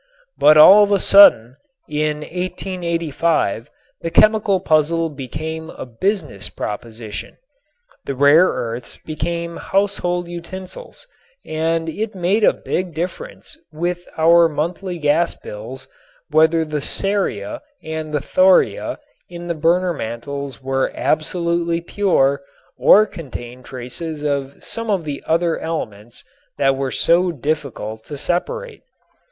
But all of a sudden, in 1885, the chemical puzzle became a business proposition. The rare earths became household utensils and it made a big difference with our monthly gas bills whether the ceria and the thoria in the burner mantles were absolutely pure or contained traces of some of the other elements that were so difficult to separate.